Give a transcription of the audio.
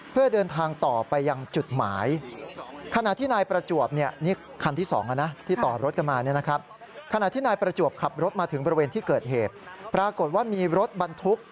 เพื่อเดินทางต่อไปยังจุดหมาย